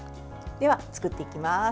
では、作っていきます。